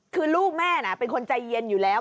คือลูกแม่น่ะเป็นคนใจเย็นอยู่แล้ว